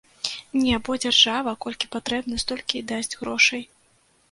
Не, бо дзяржава, колькі патрэбна, столькі і дасць грошай.